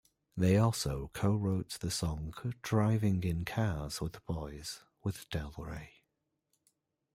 They also co-wrote the song "Driving in Cars With Boys" with Del Rey.